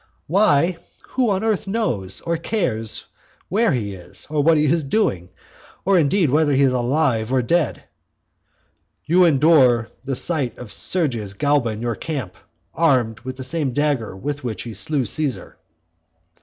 Why, who on earth knows or cares where he is, or what he is doing; or, indeed, whether he is alive or dead? "You endure the sight of Sergius Galba in your camp, armed with the same dagger with which he slew Caesar."